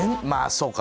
そうか。